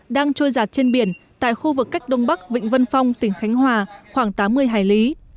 đang trôi giặt trên biển tại khu vực cách đông bắc vịnh vân phong tỉnh khánh hòa khoảng tám mươi hải lý